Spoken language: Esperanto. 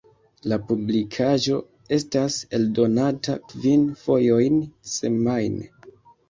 La publikaĵo estas eldonata kvin fojojn semajne.